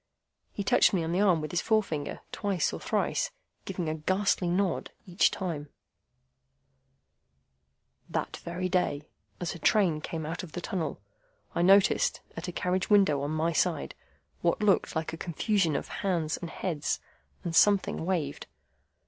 He touched me on the arm with his forefinger twice or thrice giving a ghastly nod each time:— "That very day, as a train came out of the tunnel, I noticed, at a carriage window on my side, what looked like a confusion of hands and heads, and something waved.